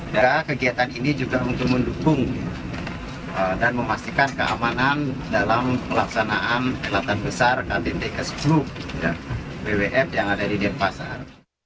dan kegiatan ini juga untuk mendukung dan memastikan keamanan dalam pelaksanaan pelatang besar ktt ke sepuluh wwf yang ada di denpasar